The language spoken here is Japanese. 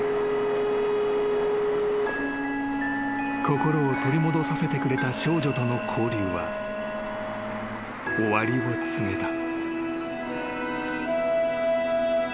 ［心を取り戻させてくれた少女との交流は終わりを告げた］